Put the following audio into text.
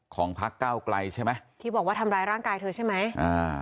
ของพักเก้าไกลใช่ไหมที่บอกว่าทำร้ายร่างกายเธอใช่ไหมอ่า